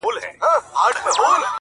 • د مېچني په څېر ګرځېدی چالان وو -